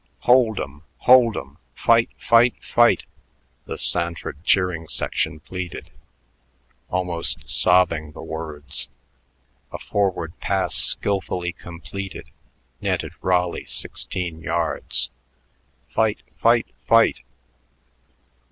"Hold 'em! Hold 'em! Fight! Fight! Fight!" the Sanford cheering section pleaded, almost sobbing the words. A forward pass skilfully completed netted Raleigh sixteen yards. "Fight! Fight! Fight!"